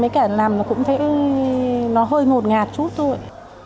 mấy cái làm cũng thấy nó hơi ngột ngạt chút thôi